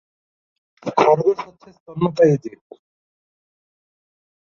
খরগোশ হচ্ছে স্তন্যপায়ী জীব।